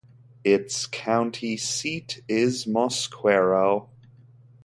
Its county seat is Mosquero.